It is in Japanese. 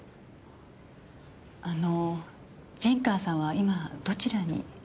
あの陣川さんは今どちらに？